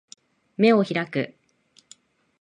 眼を開く